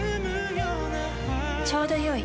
ちょうどよい。